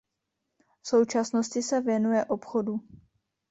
V současnosti se věnuje obchodu.